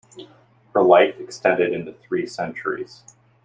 Her life extended into three centuries.